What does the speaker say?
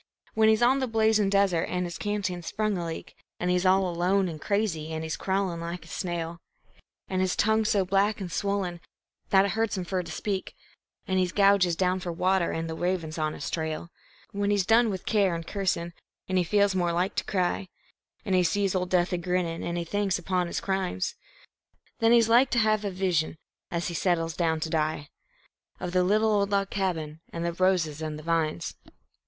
When he's on the blazin' desert an' his canteen's sprung a leak, An' he's all alone an' crazy an' he's crawlin' like a snail, An' his tongue's so black an' swollen that it hurts him fer to speak, An' he gouges down fer water an' the raven's on his trail; When he's done with care and cursin' an' he feels more like to cry, An' he sees ol' Death a grinnin' an' he thinks upon his crimes, Then he's like ter hev' a vision, as he settles down ter die, Of the little ol' log cabin an' the roses an' the vines.